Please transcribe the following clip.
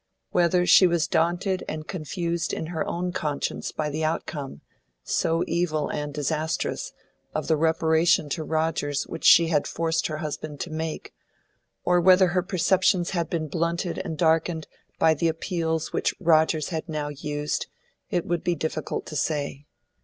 Whether she was daunted and confused in her own conscience by the outcome, so evil and disastrous, of the reparation to Rogers which she had forced her husband to make, or whether her perceptions had been blunted and darkened by the appeals which Rogers had now used, it would be difficult to say.